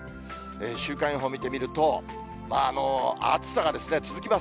週間予報見てみると、まあ暑さが続きます。